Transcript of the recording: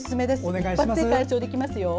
一発で解消できますよ。